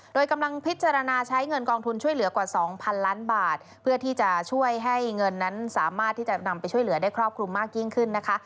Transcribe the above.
โดยกำลังพิจารณาใช้เงินกองทุนช่วยเหลือกว่า๒๐๐๐ล้านบาทเพื่อที่จะช่วยให้เงินนั้นสามารถที่จะนำไปช่วยเหลือได้ครอบคลุมมากยิ่งขึ้นนะคะ